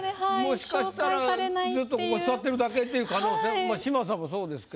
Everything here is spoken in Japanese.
もしかしたらずっとここ座ってるだけっていう可能性も嶋佐もそうですけど。